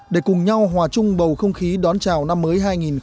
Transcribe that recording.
để cùng nhau hòa chung bầu không khí đón chào năm mới hai nghìn một mươi tám